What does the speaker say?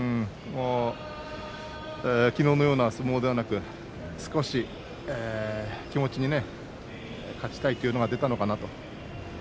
きのうのような相撲ではなく少し気持ちに勝ちたいというのが出ましたかね。